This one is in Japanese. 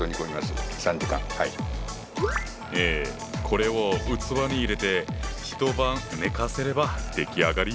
これを器に入れて一晩寝かせれば出来上がり。